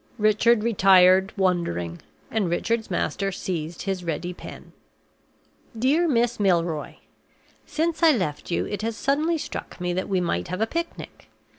Richard retired wondering, and Richard's master seized his ready pen. "DEAR MISS MILROY Since I left you it has suddenly struck me that we might have a picnic.